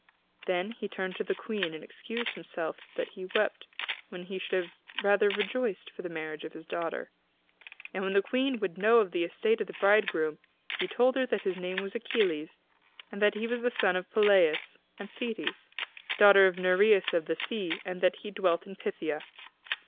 Then he turned to the Queen, and excused himself that he wept when he should rather have rejoiced for the marriage of his daughter. And when the Queen would know of the estate of the bridegroom, he told her that his name was Achilles, and that he was the son of Peleus and Thetis, daughter of Nereus of the sea, and that he dwelt in Phthia.